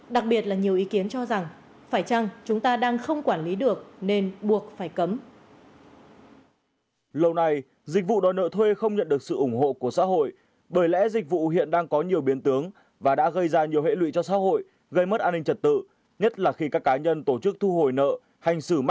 đặc biệt là nhiều ý kiến cho rằng phải chăng chúng ta đang không quản lý được nên buộc phải cấm